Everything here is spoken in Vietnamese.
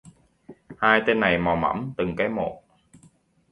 Hai tên này mò mẫm từng cái mộ